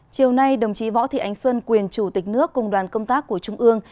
chiều nay đồng chí võ thị ánh xuân quyền chủ tịch nước cùng đoàn công tác của trung ương